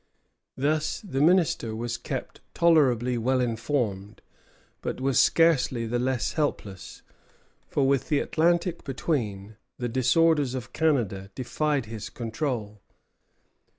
Thus the Minister was kept tolerably well informed; but was scarcely the less helpless, for with the Atlantic between, the disorders of Canada defied his control.